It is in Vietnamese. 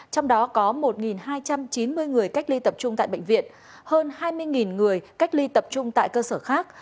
trong đó có một hai trăm chín mươi người cách ly tập trung tại bệnh viện hơn hai mươi người cách ly tập trung tại cơ sở khác